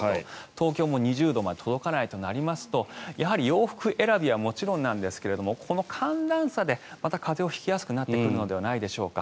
東京も２０度まで届かないとなりますとやはり洋服選びはもちろんですが寒暖差で、また風邪を引きやすくなってくるのではないでしょうか。